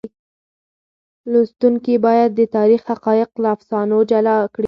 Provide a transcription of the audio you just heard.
لوستونکي باید د تاریخ حقایق له افسانو جلا کړي.